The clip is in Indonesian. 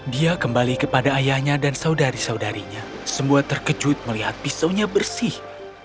dia kembali kepada ayahnya dan saudari saudarinya semua terkejut melihat pisaunya bersih